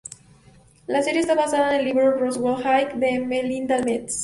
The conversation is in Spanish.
La serie está basada en el libro "Roswell High" de Melinda Metz.